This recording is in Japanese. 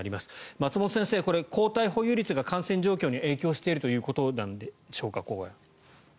松本先生、抗体保有率が感染状況に影響しているということなんでしょうか。